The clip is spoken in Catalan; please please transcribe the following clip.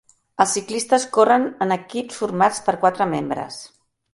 Els ciclistes corren en equips formats per quatre membres.